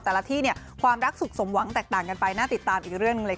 แต่ละที่เนี่ยความรักสุขสมหวังแตกต่างกันไปน่าติดตามอีกเรื่องหนึ่งเลยค่ะ